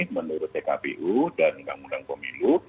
menurut pkpu dan undang undang pemilu